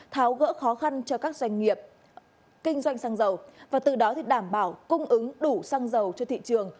tháo gỡ khó khăn cho các doanh nghiệp kinh doanh xăng dầu và từ đó đảm bảo cung ứng đủ xăng dầu cho thị trường